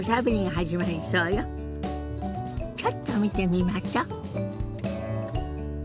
ちょっと見てみましょ。